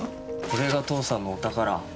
これが父さんのお宝。